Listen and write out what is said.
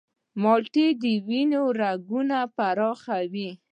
مالټه د وینې رګونه پراخوي.